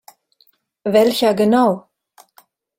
Welcher genau?